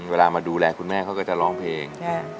เวลามาดูแลคุณแม่เขาก็จะร้องเพลง